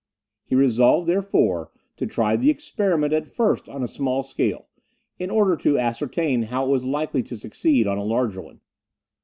He resolved, therefore, to try the experiment at first on a small scale, in order to ascertain how it was likely to succeed on a larger one.